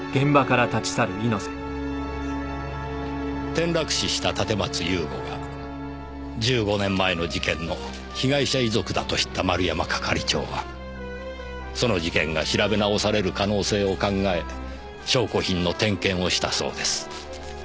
転落死した立松雄吾が１５年前の事件の被害者遺族だと知った丸山係長はその事件が調べ直される可能性を考え証拠品の点検をしたそうです。